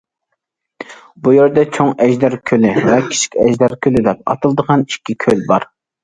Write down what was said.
بۇ يەردە چوڭ ئەجدەر كۆلى ۋە كىچىك ئەجدەر كۆلى دەپ ئاتىلىدىغان ئىككى كۆل بار.